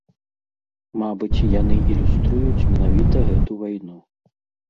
Мабыць, яны ілюструюць менавіта гэту вайну.